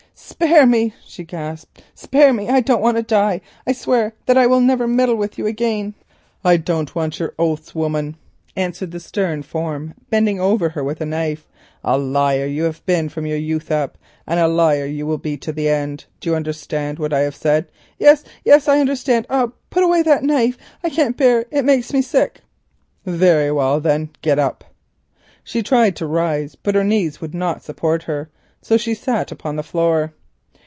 "Spare me," she gasped, "spare me, I don't want to die. I swear that I will never meddle with you again." "I don't want your oaths, woman," answered the stern form bending over her with the knife. "A liar you have been from your youth up, and a liar you will be to the end. Do you understand what I have said?" "Yes, yes, I understand. Ah! put away that knife, I can't bear it! It makes me sick." "Very well then, get up." She tried to rise, but her knees would not support her, so she sat upon the floor.